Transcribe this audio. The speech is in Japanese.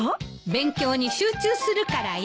勉強に集中するからよ。